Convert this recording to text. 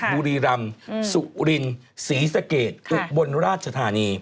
บุรีรัมน์สุรินศ์ศรีเศษเกตอุปบลราชธานี